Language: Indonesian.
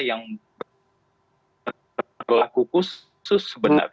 yang berlaku khusus